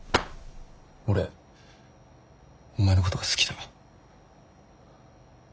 俺お前のことが好きだ。